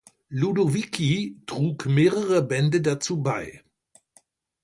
Ludovici trug mehrere Bände dazu bei.